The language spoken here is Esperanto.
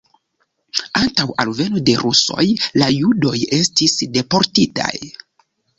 Antaŭ alveno de rusoj la judoj estis deportitaj.